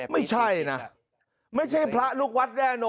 ไม่ใช่นะไม่ใช่พระลูกวัดแน่นอน